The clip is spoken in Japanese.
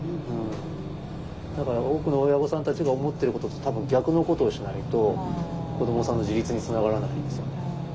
だから多くの親御さんたちが思ってることと多分逆のことをしないと子どもさんの自立につながらないんですよね。